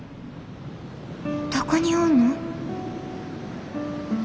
どこにおんの？